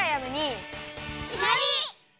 きまり！